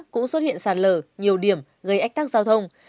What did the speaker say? cũng xuất hiện sạt lở nhiều điểm gây ách tắc giao thông